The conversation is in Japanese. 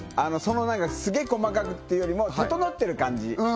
何かすげえ細かくっていうよりも整ってる感じ